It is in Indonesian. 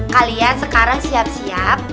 kalian sekarang siap siap